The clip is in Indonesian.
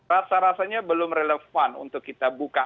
rasa rasanya belum relevan untuk kita buka